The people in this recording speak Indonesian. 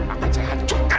akan saya hancurkan